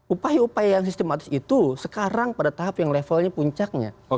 upaya upaya yang sistematis itu sekarang pada tahap yang levelnya puncaknya